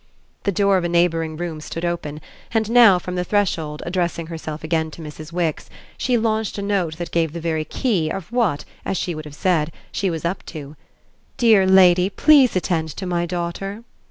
The door of a neighbouring room stood open, and now from the threshold, addressing herself again to Mrs. Wix, she launched a note that gave the very key of what, as she would have said, she was up to. "Dear lady, please attend to my daughter."